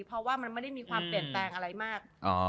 เพราะว่ามันไม่ได้มีความเปลี่ยนแปลงอะไรมาก